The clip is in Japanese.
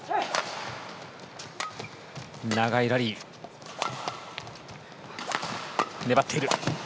長いラリー。粘っている。